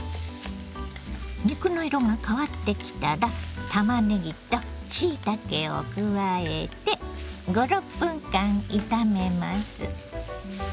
肉の色が変わってきたらたまねぎとしいたけを加えて５６分間炒めます。